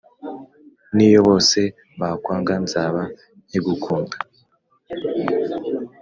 niyo bose bakwanga, nzaba nkigukunda